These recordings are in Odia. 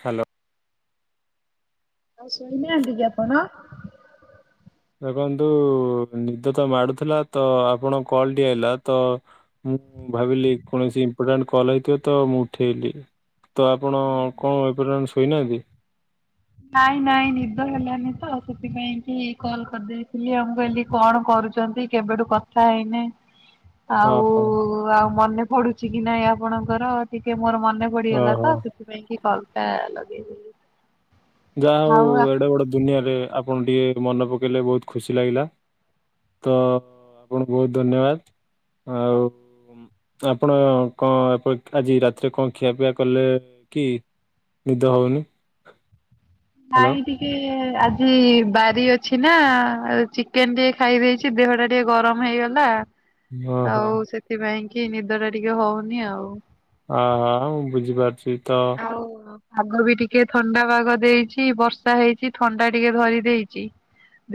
ହ୍ୟାଲୋ। ଆଉ ସୋଇ ନାହାନ୍ତିକି ଆପଣ? ଦେଖନ୍ତୁ ନିଦ ତ ମାଡୁଥିଲା ତ ଆପଣଙ୍କ କଲଟି ଆଇଲା ତ ମୁଁ ଭାବିଲି କୌଣସି ଇମ୍ପୋର୍ଟାଣ୍ଟ କଲ୍ ହେଇଥିବ ତ ମୁଁ ଉଠେଇଲି। ତ ଆପଣ କଣ ଏ ପର୍ଯ୍ୟନ୍ତ ଶୋଇନାହାନ୍ତି? ନାଇଁ ନାଇଁ ନିଦ ହେଲାନି ତ ସେଥିପାଇଁ କି କଲ କରିଦେଇଥିଲି ଆ ମୁଁ କହିଲି କଣ କରୁ ଯଦି କେବେଠୁ କଥା ହେଇନେ ଆଉ ଓହୋ ଆଉ ମନେ ପଡୁଚି କି ନାଇଁ ଆପଣଙ୍କର ଟିକେ ମୋର ମନେ ନେ ପଡି ଓହୋ ତ ସେଥିପାଇଁ କି କଲଟା ଲଗେଇଲି। ଯାହା ହଉ ଏଡେ ବଡ ଦୁନିଆରେ ଆପଣ ଟିକେ ମନେ ପକେଇଲେ ବହୁତ ଖୁସି ଲାଗିଲା। ତ ଆପଣଙ୍କୁ ବହୁତ ଧନ୍ୟବାଦ ଆଉ ଆପଣ କଣ ପ ଆଜି ରାତିରେ କଣ ଖିଆ ପିଆ କଲେ କି? ନିଦ ହଉନି ହ୍ୟାଲୋ ନାଇଁ ଟିକେ ଆଜ ଜି ବାରି ଅଛି ନା ଆଉ ଚିକେନ ଟିକେ ଖାଇ ଦେଇଚି ଦେହ ଟା ଟିକେ ଗରମ ହେଇଗଲା। ଓହୋ ଆଉ ସେଥିପାଇଁ କି ନିଦ ଟା ଟିକେ ହଉନି ଆଉ। ହଁ ହଁ ମୁଁ ବୁଝିପାରୁଚି। ଆଉ ପାଗ ବି ଟିକେ ଥଣ୍ଡା ପାଗ ଦେଇଚି ବର୍ଷା ହେଇଚି ଥଣ୍ଡା ଟିକେ ଧରି ଦେଇଚି।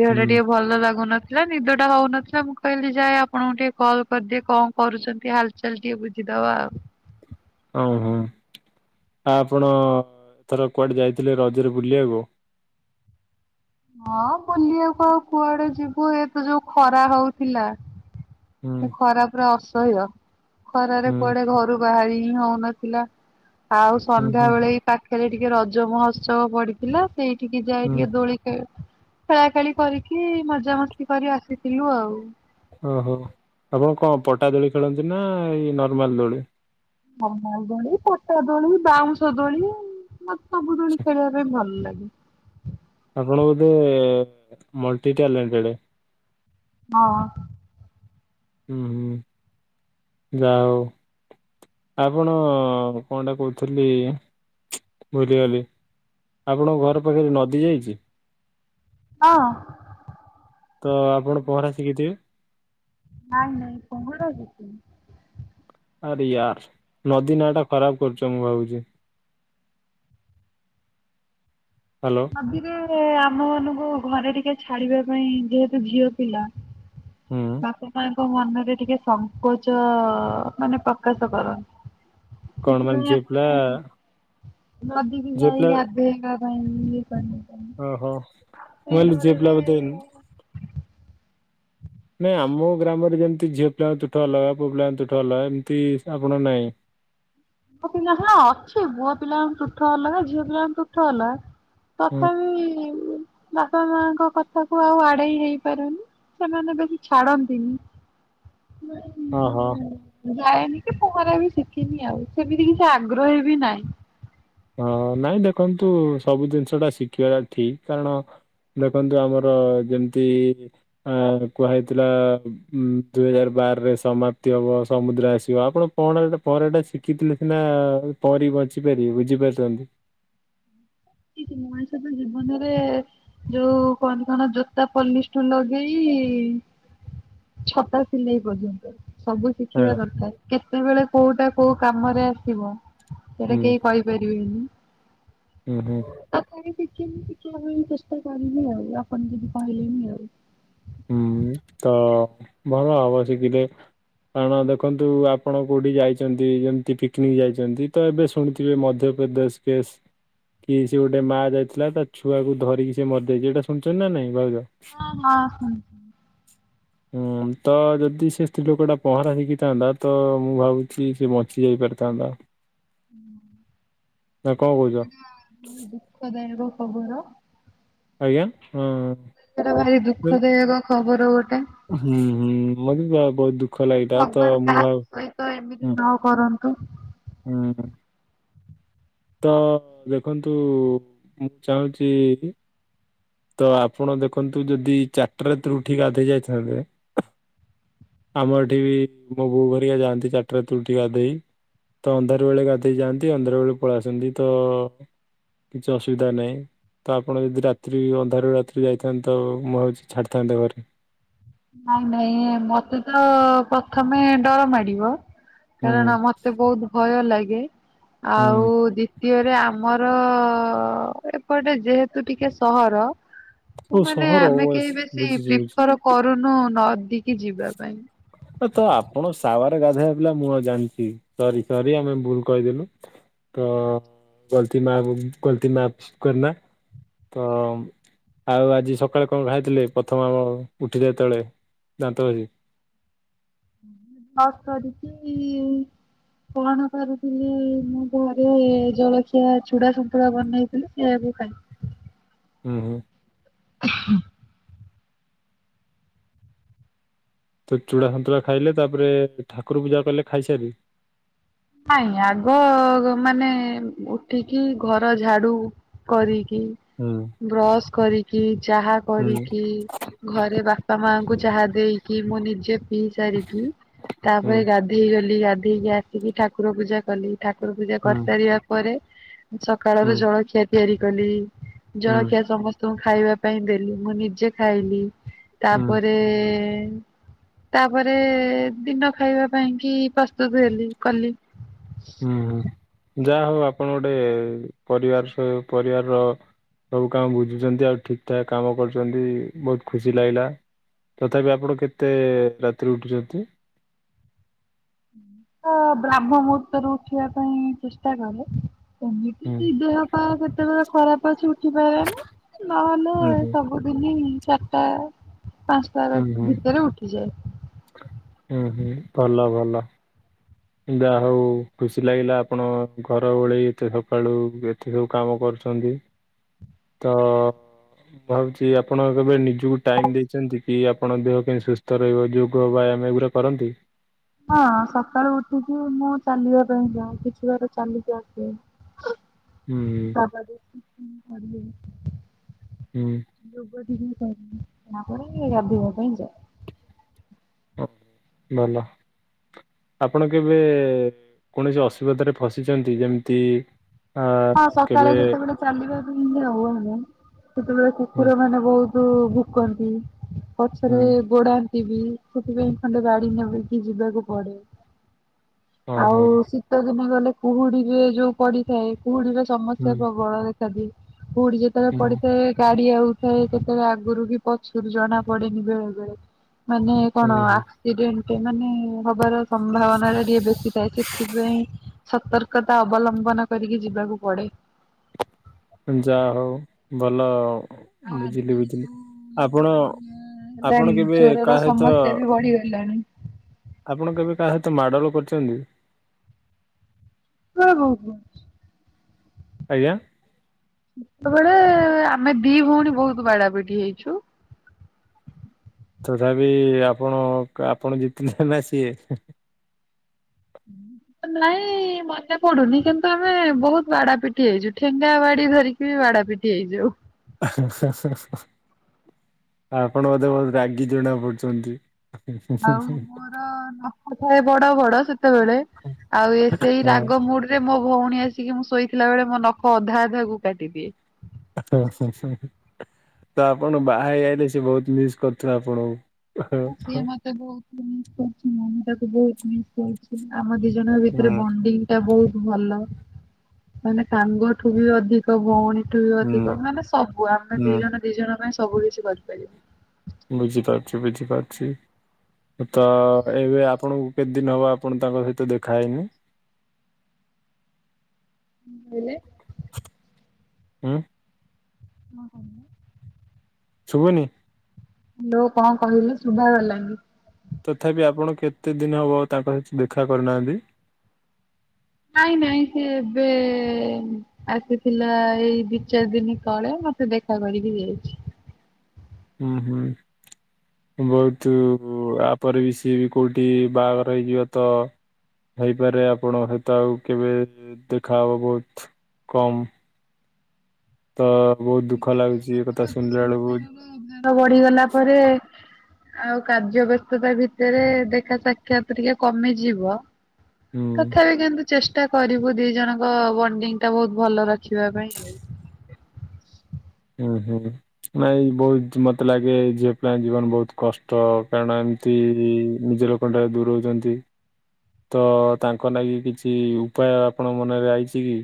ଦେହ ଟା ହୁଁ ଟିକେ ଭଲ ଲାଗୁନ ଲା ନିଦ ଟା ହଉନଥିଲା ମୁଁ କହିଲି ଯାଏ ଆପଣଙ୍କୁ ଟିକେ କଲ କରିଦିଏ କଣ କରୁଚନ୍ତି ହାଲଚାଲ ଟିକେ ବୁଝିଦ ଦବା ଆଉ ହୋଉ ହୋଉ। ହଁ ଆପଣ ଏଥର କୁଆଡେ ଯାଇଥିଲେ ରଜରେ ବୁଲିବାକୁ? [inaudible] ହଁ ବୁଲିବାକୁ ଆଉ କୁଆଡେ ଯିବୁ ଏ ତ ଯୋଉ ଖରା ହଉଥିଲା। ହୁଁ ମୁଁ ଖରାପ ରେ ଅଛ ଶୋଇବ ଖରାରେ ହୁଁ କୁଆଡେ ଘରୁ ବାହାରି ହିଁ ହଉନଥିଲା। ଆଉ ହୁଁ ସନ୍ଧ୍ୟା ହୁଁ ବେଳେ ଏଇ ପାଖରେ ଟିକେ ରଜ ମହୋତ୍ସବ ପଡିଥିଲା ସେଇଠିକି ଯାଇ ହୁଁ ଟିକେ ଦୋଳିି ଖେ ଖେଳା ଖେଳି କରିକି ମଜାମସ୍ତି କରି ଆସିଥିଲୁ ଆଉ। ଓହୋ ଆପଣ କଣ ପଟା ଦୋଳି ଖେଳନ୍ତି ନା ଏଇ ନର୍ମାଲ ଦୋଳି? ନର୍ମାଲ ଦୋଳି ପଟା ଦୋଳି ବାଉଁଶ ଦୋଳି ସବୁ ଦୋଳି ଖେଳିବା ପାଇଁ ଭଲ ଲାଗେ ଆପଣ ବୋଧେ ମଲଟି ଟ୍ୟାଲେଣ୍ଟେଡ ହଁ। ହୁଁ ହୁଁ ଯାହୋଉ। ଆପଣ କଣଟା କହୁଥିଲି ବୁଲିଗଲି ଆପଣଙ୍କ ଘର ପାଖରେ ନଦୀ ଯାଇଚି? ହଁ। ତ ଆପଣ ପହଁରା ଶିଖିଥିବେ? ନାଇଁ ନାଇଁ ପହଁରା ସିକିନି। ଆରେ ୟାର ନଦୀ ନାଁ ଟା ଖରାପ କରୁଛ ମୁଁ ଭାବୁଚି। ହ୍ୟାଲୋ ନଦୀରେ ରେ ଆମ ମାନଙ୍କୁ ଘରେ ଟିକେ ଛାଡିବା ପାଇଁ ଯେହେତୁ ଝିଅ ପିଲା ହୁଁ ବାପା ମାଙ୍କ ମନରେ ଟିକେ ସଙ୍କୋଚ ମାନେ ପ୍ରକାଶ କରନ୍ତି। କଣ ସେ ମାନେ ଦିନ ଝିଅ [unintelligible] ପିଲା କାଇଁ ନଦୀ କି ଝିଅ ଯାଇକି ଗାଧେଇବା [unintelligible] ଓ ହୋ ମୁଁ ସେଇ କହିଲି ଝିଅ ପିଲା ବୋଧେ ଡରରେ ନାଇଁ ଆମ ଗ୍ରାମରେ ଯେମିତି ଝିଅ ପିଲାଙ୍କ ତୁଠ ଅଲଗା ପୁଅ ପିଲାଙ୍କ ତୁଠ ଅଲଗା ଏମିତି ଆପଣ ନାଇଁ? ପିଲା ହେଲା ଅଛି ପୁଅ ପିଲାଙ୍କ ତୁଠ ଅଲଗା ଝିଅ ପିଲାଙ୍କ ତୁଠ ଅଲଗା। ହୁଁ ପାଖଇମିନ। ବାପା ମାଙ୍କ କଥାକୁ ଆଉ ଆଡ଼େଇ ହେଇପାରୁନି ସେମାନେ ବେଶୀ ଛାଡ଼ନ୍ତିନି। [inaudible] ଓ ହୋ। ଯାଏନି କି ପହଁରା ବି ଶିଖିନି ଆଉ ସେମିତି କିଛି ଆଗ୍ରହ ବି ନାହିଁ। ହଁ ନାଇଁ ଦେଖନ୍ତୁ ସବୁ ଜିନିଷ ଟା ଶିଖିବାଟା ଠିକ୍ କାରଣ ଦେଖନ୍ତୁ ଆମର ଯେମିତି ଅ କୁହାହେଇଥିଲା ଉ ଦୁଇ ହଜାର ବାର ରେ ସମାପ୍ତି ହବ ସମୁଦ୍ର ଆସିବ ଆପଣ ପହଁରା ପରେଟା ଶିଖିଥିଲେ ସିନା ପହଁରିବ। ବଞ୍ଚି ପାରିବେ ବୁଝି ପାରୁଛନ୍ତି? ମଣିଷ ତ ଜୀବନରେ ଯୋଉ କଣ କଣ ଜୋତା ପଲିସ୍ ଠୁଁ ଲଗେଇ ଲଗେଇ ଛତା ସିଲେଇ ପର୍ଯ୍ୟନ୍ତ। ସବୁ ହଁ ଶିଖିବା ଦରକାର କେତେବେଳେ କୋଉଟା କୋଉ କାମରେ ଆସିବ ସେଟା ହୁଁ କେହି କହିପାରିବେନି। ହୁଁ ହୁଁ ଆଉ ମୁଁ ଆ ଚେଷ୍ଟା କରିବି ଆଉ ଆପଣ କହିଲେଣି ଆଉ। ହୁଁ ତ ଭଲ ହବ ଶିଖିତେ। କାରଣ ଦେଖନ୍ତୁ ଆପଣ କୋଉଠି ଯାଇଛନ୍ତି ଯେମିତି ପିକନିକ୍ ଯାଇଛନ୍ତି ତ ଏବେ ଶୁଣିଥିବେ ମଧ୍ୟ ପ୍ରଦେଶ କେସ୍। କି ସେ ଗୋଟେ ମାଆ ଯାଇଥିଲା ତା ଛୁଆକୁ ଧରିକି ସେ ମରିଯାଇଛି ଏଇଟା ଶୁଣିଛନ୍ତି ନା ନାଇଁ ଭାଉଜ। ହଁ ହଁ ଶୁଣିଛି। ହୁଁ ତ ଯଦି ସେ ସ୍ତ୍ରୀ ଲୋକ ଟା ପହଁରା ଶିଖିଥାନ୍ତା ତ ମୁଁ ଭାବୁଛି ସେ ବଞ୍ଚି ଯାଇ ପାରିଥାଆନ୍ତା। ପାରିଥାଆନ୍ତା। କହୁଛ ସେଟା ଦୁଃଖଦାୟକ। ଖବର। ଆଜ୍ଞା? ହଁ ସେଇଟା ଭାରି ଦୁଃଖଦାୟକ ଖବର ଗୋଟେ। ହୁଁ ହୁଁ ଭଲକି ଭଗବାନ କାହା ସହିତ ଏମିତି ହୁଁ ନ କରନ୍ତୁ। ହୁଁ। ତ ଦେଖନ୍ତୁ ମୁଁ ଚାହୁଁଚି ତ ଆପଣ ଦେଖନ୍ତୁ ଯଦି ଚାରିଟା ରାତିରୁ ଉଠିକି ଗାଧୋଇ ଯାଇଥାନ୍ତେ ଆମର ଏଠି ବି ମୋ ବୋଉ ଘେରିକା ଯାଆନ୍ତି ଚାରିଟା ରାତିରୁ ଉଠିକି ଗାଧେଇ। ତ ଅନ୍ଧାର ବେଳେ ଗାଧୋଇ ଯାଆନ୍ତି ଅନ୍ଧାର ବେଳେ ପଳେଇ ଆସନ୍ତି ତ କିଛି ଅସୁବିଧା ନାହିଁ। ତ ଆପଣ ଯଦି ରାତ୍ରି ଅନ୍ଧାରରୁ ରାତ୍ରି ଯାଇଥାନ୍ତ ତ ମୁଁ ହେଉଛି ଛାଡ଼ିଥାନ୍ତେ ଘରେ। ନାଇଁ ନାଇଁ ମତେ ତ ପ୍ରଥମେ ଡର ମାଡ଼ିବ। ହୁଁ କାରଣ ମତେ ବହୁତ ଭୟ ଲାଗେ ଆଉ ହୁଁ ଦ୍ଵିତୀୟରେ ଆମର ଆମର ଏପଟେ ଯେହେତୁ ଟିକେ ସହର ମୁଁ ଓ ମାନେ ସହର ଆମେ କେହି ବେଶୀ ବୁଝୁଛି ବୁଝୁଛି ପ୍ରିଫର କରୁନୁ ନଦୀକି ଯିବା ପାଇଁ। ତ ଆପଣ ସାୱରେ ଗାଧୋଇବା ପିଲା ମୁଁ ଆ ଜାଣିଛି ସରି ସରି ଆମେ ଭୁଲ କହିଦେଲୁ। ତ ଗଳତି ମାପ ଗଲତୀ ମାପ କରନା ତ ଆଉ ଆଜି ସକାଳେ କଣ ଖାଇଥିଲେ ପ୍ରଥମ ଆମ ଉଠିଲେ ଯେତେବେଳେ ଦାନ୍ତ ଘସିକି? ବ୍ରସ କରିକି କଣ କରୁଥିଲି ମୁଁ ଘରେ ଜଳଖିଆ ଚୁଡ଼ା ସନ୍ତୁଲା ବନେଇଥିଲି ସେୟାକୁ ସେୟାକୁ ଖାଇଥିଲି। ଉଁ ହୁଁ। [inaudible] ତ ଚୂଡ଼ା ସନ୍ତୁଳା ଖାଇଲେ ତାପରେ ଠାକୁର ପୂଜା କଲେ ଖାଇସାରି ନାଇଁ ଆଗ ମାନେ ଉଠିକି ଘର ଝାଡୁ କରିକି ହୁଁ ବ୍ରଶ କରିକି ଚାହା ହୁଁ କରିକି ଘରେ ବାପା ମାଙ୍କୁ ଚାହା ଦେଇକି ମୁଁ ନିଜେ ପିଇ ସାରିକି ହୁଁ ତାପରେ ଗାଧେଇ ଗଲି ଗ ଉଠେଇକି ଆସିକି ଠାକୁର ପୂଜା କଲି ଠାକୁର ପୂଜା ହୁଁ କରିସାରିବା ପରେ ସକାଳ ର ହୁଁ ଜଳଖିଆ ତିଆରି କଲି ହୁଁ ଜଳଖିଆ ସମସ୍ତେ ତୁ ଖାଇବା ପାଇଁ ଦେଲି ମୁଁ ନିଜେ ଖାଇଲି ହୁଁ ତାପରେ ତାପରେ ଦିନ ଖାଇବା ପାଇଁ କି ପ୍ରସ୍ତୁତ ହେଲି କଲି [inaudible] ହୁଁ ଯାହା ହଉ ଆପଣ ଗୋଟେ ପରିବାର ପରିବାରର ସବୁ କାମ ବୁଝୁଛନ୍ତି ଆଉ ଠିକ ଠାକ୍ କାମ କରୁଛନ୍ତି ବହୁତ ଖୁସି ଲାଗିଲା ତଥାପି ଆପଣ କେତେ ରାତିରେ ଉଠୁଛନ୍ତି ବ୍ରାହ୍ମ ମୁହୂର୍ତ୍ତରୁ ଉଠିବା ପାଇଁ ଚେଷ୍ଟା କରେ ହୁଁ ସେମିତି ଦେହ ପା କେତେବେଳେ ଖରାପ ଅଛି ପ ନହେଲେ ହୁଁ ହୁଁ ସବୁଦିନ ଚାରିଟା ପାଞ୍ଚଟା ହୁଁ ହୁଁ ଭିତରେ ଉଠିଯାଏ ହୁଁ ହୁଁ ଭଲ ଭଲ ଯାହା ହଉ ଖୁସି ଲାଗିଲା ଆପଣ ଘର ଓଳେଇ ଏତେ ସକାଳୁ ଏତେ ସବୁ କାମ କରୁ ଛନ୍ତି ତ ଭାବୁଛି ଆପଣ କେବେ ନିଜକୁ ଟାଇମ ଦେଇଛନ୍ତି କି ଆପଣ ଦେହ କେ ସୁସ୍ଥ ରହିବ ଯୋଗ ବା ମେ ଏଗୁଡା କରନ୍ତି ହଁ ସକାଳୁ ଉଠିକି ମୁଁ ଚାଲିବା ପାଇଁ ଯାାଉ କିଛି ବାର ଚାଲିିକି ଆସ ହଁ ଯ ହୁଁ ନା ପ ହୁଁ। ନେଇ ଅ ପାଇଁାଇଞ୍ଚ ଭଲ ଆପଣ କେବେ କୌଣସି ଅସୁବିଧାରେ ଫସିଛନ୍ତି ଯେମିତି ଆ ହଁ ସକାଳେ କେବେ ଯେତେବେଳେ ଚାଲିବା ପାଇଁ ଆଉ ଆମେ ସେତେବେଳେ ହୁଁ କୁକୁର ମାନେ ବହୁତ ଭୁକନ୍ତି ପଛରେ ହୁଁ। ଗୋଡା ସେଥିପାଇଁ ଖଣ୍ଡେ ଗାଡି ନେବେକି ଯିବାକୁ ପଡେ ହଁ ଆଉ ହଁ। ଶୀତ ଦିନେ ଗଲେ କୁହୁଡିରେ ଯୋଉ ପଡିଥାଏ କୁହୁଡିରେ ହୁଁ ସମସ୍ୟା ପ୍ରବଳ ଦେଖାଦିଏ ପୁଠ ଯେତେବେଳେ ପଡିଥାଏ ଗାଡି ଆଉ ସେ କେତେବେଳେ ଆଗରୁ କି ପଛରୁ ଜଣା ପଡେନି ବେଳେ ବେଳେ ମାନେ କଣ ହୁଁ। ଆକ୍ସିଡେଣ୍ଟ ମାନେ ହବାର ସମ୍ଭାବନା ଟା ଟିକେ ବେଶୀ ଥାଏ ସେଥିପାଇଁ ସତର୍କତା ଅବଲମ୍ବନ କରିକି ଯିବା କୁ ପଡେ ଯାହା ହଉ ଭଲ ଆଉ ବୁଝିଲି ଆଜିକାଲି ବୁଝିଲି ଯୋଉ ଆପଣ ହେଲାଣି ଆପଣ କେବେ ଚୋରର କାହା ସହିତ ସମସ୍ୟା ବି ବଢିଗଲାଣି। ଆପଣ କେବେ କାହା ସହିତ ମାଡଲ କରିଛନ୍ତି ହ ହଉ ହ ଆଜ୍ଞା ସେତେବେଳେ ଆମେ ଦି ଭଉଣୀ ବହୁତ ବାଡାାବିଡି ହେଇଛୁ ତଥାପି ଆପଣ ଆପଣ ଜିତିଲେେ ନା ସିଏ ହୁଁ ନାଇଁ ମନେ ପଡୁନି କିନ୍ତୁ ଆମେ ବହୁତ ବାଡା ପିଟି ହେଇଛୁ ଠେଙ୍ଗା ବାଡି ଧରିକି ବାଡାପିଠି ଆଇଯାଉଉ ଆପଣ ମୋତେ ବହୁତ ରାଗି ଜଣା ପଡୁଛନ୍ତି ଆଉ ମୋର ନଖ ଥାଏ ବଡ ବଡ ସେତେବେଳେ ଆଉ ଏ ସେଇ ହଁ ରାଗ ମୁଡରେ ମୋ ଭଉଣୀ ଆସିକି ମୁଁ ଶୋଇଥିଲା ବେଳେ ମୋ ନଖ ଅଧା ଅଧା କୁ କାଟିଦିଏ ତ ଆପଣ ବାହା ହେଇ ଆଇଲେ ସେ ବହୁତ ମିସ୍ କରୁଥିବ ଆପଣଙ୍କୁ। ସିଏ [unintelligible] ମତେ ମୁଁ ବହୁତ ବି ତାକୁ ବହୁତ୍ ମିସ୍ କରୁଚି ଆମ ଦିଜଣଙ୍କ ହୁଁ ଭିତରେ ବଣ୍ଡିଂ ଟା ବହୁ ଭଲ ମାନେ ସାଙ୍ଗଠୁ ବି ଅଧିକ ଭଉଣୀ। [unintelligible] ବି ଅଧିକ ମାନେ ସବୁ ଆମେ ଦି ହୁଁ ଜଣ ଦି ଜଣ ପାଇଁ ସବୁ କିଛି କରିପାରିବୁ। ବୁଝିପାରୁଛି ବୁଝିପାରୁଛି। ତ ଏବେ ଆପଣଙ୍କୁ କେତେ ଦିନ ହବ ଆପଣ ତାଙ୍କ ସହିତ ଦେଖାହେଇନି? ହେଲେ। ଉଁ। [unintelligible] ଶୁଭୁନି। ତୁ କଣ କହିଲୁ ଶୁଭା ଗଲାନି। ତଥାପି ଆପଣ କେତେ ଦିନ ହବ ତାଙ୍କ ସହିତ ଦେଖା କରିନାହାନ୍ତି? ନାଇଁ ନାଇଁ ସିଏ ଏବେ ଆସିଥିଲା ଏଇ ଦି ଚାରି ଦିନି ତଳେ। ମତେ ଦେଖା କରିକି ଯାଇଛି। ହୁଁ ହୁଁ। ବହୁତ୍ ଆପରେ ବି ସିଏ ବି କୋଉଠି ବାହାଘର ହେଇଯିବେ ତ ହେଇପାରେ ଆପଣ ହୁଏତ ଆଉ କେବେ ଦେଖାହବ ବହୁତ୍ କମ୍। ତ ବହୁତ ଦୁଃଖ ଲାଗୁଛି ଏ କଥା ଶୁଣିଲା ବେଳକୁ [unintelligible] ବଢ଼ିଗଲା ପରେ ଆଉ କାର୍ଯ୍ୟ ବ୍ୟସ୍ତତା ଭିତରେ ଦେଖା ସାକ୍ଷାତ ଟିକେ କମିଯିବ। ହୁଁ ତଥାପି କିନ୍ତୁ ଚେଷ୍ଟା କରିବୁ ଦି ଜଣଙ୍କ ବଣ୍ଡିଙ୍ଗ୍ ଟା ବହୁତ୍ ଭଲ ରଖିବା ପାଇଁ। ହୁଁ ହୁଁ ନାଇଁ ବହୁତ୍ ମତେ ଲାଗେ ଝିଅ ପିଲା ଙ୍କ ଜୀବନ ବହୁତ୍ କଷ୍ଟ କାରଣ ଏମିତି କି ନିଜ ଲୋକ ଟା [unintelligible] ଦୂରଉଛନ୍ତି। ତ ତାଙ୍କ ଲାଗି କିଛି ଉପାୟ ଆପଣଙ୍କ ମନରେ ଆଇଚି କି?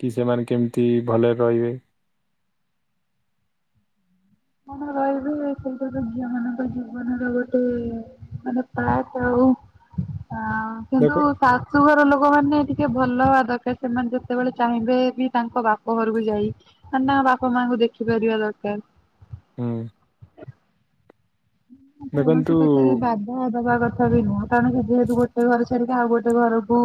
କି ସେମାନେ କେମିତି ଭଲରେ ରହିବେ। ହୁଁ [inaudible] କଣ ରହିବେ ସେଇଟା ତ ଝିଅ ମାନଙ୍କ ଜୀବନର ଗୋଟେ ମାନେ ପାଟେ ଆଉ। ଆ କିନ୍ତୁ ଦେଖ ଶାଶୁ ଘର ଲୋ ଲୋକ ମାନେ ଟିକେ ଭଲ ହବା ଦରକାର ସେମାନେ ଯେତେବେଳେ ଚାହିଁବେ ବି ତାଙ୍କ ବାପ ଘରକୁ ଯାଇ [unintelligible] ବାପା ମାଆଙ୍କୁ ଦେଖିପାରିବା ଦରକାର। ହୁଁ। ଦେଖନ୍ତୁ କୌଣସି କଥାରେ ବାଧା ଦବା କ କଥା ବି ନୁହଁ କାରଣ ଯେହେତୁ ଗୋଟେ ଘର ଛାଡ଼ି କି ଆଉ ଗୋଟେ ଘରକୁ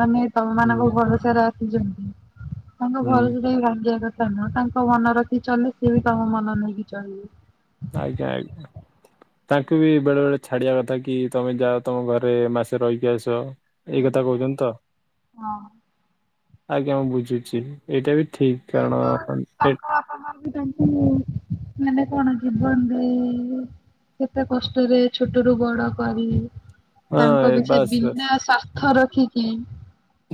ମାନେ ତମ ମାନଙ୍କ ହୁଁ ଭରସାରେ ଆସିଚନ୍ତି ତାଙ୍କ ହୁଁ ଭରସା ଟା ଭାଙ୍ଗିବା କ ନା ତାଙ୍କ ମନ ରଖିକି ଚଳିଲେ ସିଏ ବି ତମ ମନ ନେଇକି ଚଲିବେ। ଆଜ୍ଞା ଆଜ୍ଞା। ତାଙ୍କୁ ବି ବେଳେ ବେଳେ ଛାଡ଼ିବା କଥା କି ତମେ ଯାଅ ତମ ଘରେ ମାସେ ରହିକି ଆସ। ଏଇ କଥା କହୁଛନ୍ତି ତ ହଁ। ଆଜ୍ଞା ମୁଁ ବୁଝୁଛି ଏଇଟା ବି ଠିକ୍ କାରଣ ତାଙ୍କ [unintelligible] ତାଙ୍କ ବାପା ମା ବି ତାଙ୍କୁ ମାନେ କଣ ଜୀବନ ଦେଇ କେତେ କଷ୍ଟରେ ଛୋଟରୁୁ ବଡ଼ କରି ହଁ ତାଙ୍କ ପିଛା ରେ ବାସ୍ ବାସ୍ ବିନା ସ୍ଵାର୍ଥ ରଖିକି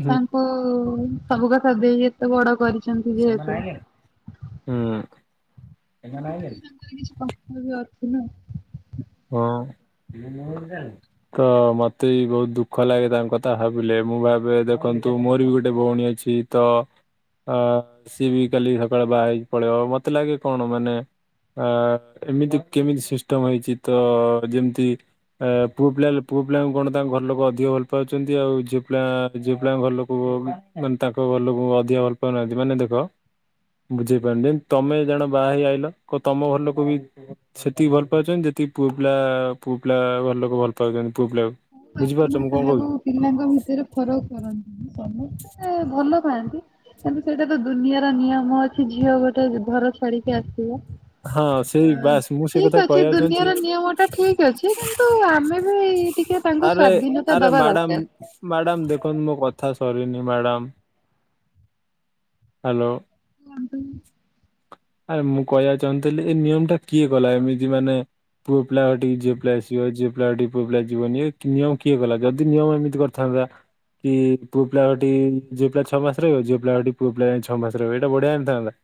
ହୁଁ ତାଙ୍କୁ ସବୁ କଥା ଦେଇ ଏତେ ବଡ଼ କରିଛନ୍ତି ଯେହେତୁ ହୁଁ [unintelligible] ଏବେ ବି ଅଛି ନା। ହଁ। ତ ମତେ ବି ବହୁତ୍ ଦୁଃଖ ଲାଗେ ତାଙ୍କ କଥା ଭାବିଲେ ମୁଁ ଭାବେ ଦେଖନ୍ତୁ କିନ୍ତୁ ମୋର ବି ଗୋଟେ ଭଉଣୀ ଅଛି ତ ଆ ସିଏ ବି କାଲି ସକାଳେ ବାହା ହେଇକି ପଳେଇ ମତେ ଲାଗେ କଣ ମାନେ ଆ ଏମିତି କେମିତି ସିଷ୍ଟମ ହେଇଛି। ତ ଯେମିତି ପୁଅ ପିଲା ଏଲେ ପୁଅ ପିଲାଙ୍କୁ କଣ ତାଙ୍କ ଘର ଲୋକ ଅଧିକ ଭଲ ପାଉଛନ୍ତି ଆଉ ଝି ଲା ଝିଅ ପିଲାଙ୍କ ଘରଲୋକକୁ ମାନେ ତାଙ୍କ ଘରଲୋକକୁ ଅଧିକା ଭଲ ପାଉନାହାନ୍ତି ମାନେ ଦେଖ ବୁଝେଇ ପାରୁନି ତମେ ଜଣେ ବାହା ହେଇ ଆଇିଲ କଣ ତମ ଘର ଲୋକ ବି ସେତିକି ଭଲ ପାଉଛନ୍ତି ଯେତିକି ପୁଅ ପିଲା ପୁଅ ପିଲା ଘର ଲୋକ ଭଲ ପାଉଛନ୍ତି। ପୁଅ ପିଲାକୁ ହଉ ବାପା ବୁଝିପାରୁଛ ମା ମୁଁ କଣ କାହାକୁ କହୁଛି ପିଲାଙ୍କ ଭିତରେ ଫରକ କରନ୍ତି ସମସ୍ତ ଏ ଭଲ ପାଆନ୍ତି। କିନ୍ତୁ ସେଇଟା ତ ଦୁନିଆର ନିୟମ ଅଛି ଝିଅ ଗୋଟେ ଘର ଛାଡ଼ିକି ଆସିବ। ହଁ ସେଇ ବାସ୍ ମୁଁ ସେଇ କଥା ଠିକ ଅଛି କହିବାକୁ ଚାହୁଁଛି ଦୁନିଆର ନିୟମ ଟା ଠିକ ଅଛି କିନ୍ତୁ ଆମେ ହଇ [unintelligible] ଆରେ ଆରେ ମ୍ୟାଡ଼ାମ-ମ୍ୟାଡ଼ାମ ଦେଖନ୍ତୁ ମୋ କ ଥା ସରିନି ମ୍ୟାଡ଼ାମ ହ୍ୟାଲୋ କୁହନ୍ତୁ। ଆରେ ମୁଁ କହିବାକୁ ଚାହୁଁଥିଲି ଏ ନିୟମ ଟା କିଏ କଲା ଏମିତି ମାନେ ପୁଅ ପିଲା ଘରଠିକି ଝିଅ ପିଲା ଆସିବ ଝିଅ ପିଲା ଘରଠିକି ପୁଅ ପିଲା ଯିବନି ଏ ନିୟମ କିଏ କଲା ଯଦି ନିୟମ ଏମିତି କରିଥାନ୍ତା [unintelligible] କି ପୁଅ ପିଲା ଘଟିଠିକି ଝିଅପିଲା ଛଅ ମାସ ରହିବ ଝିଅ ପିଲା ଘରଠିକି ପୁଅ ପିଲା ଛଅ ମାସ ରହିବ ଏଇଟା ବଢ଼ିଆ ହୋଇନଥାନ୍ତା।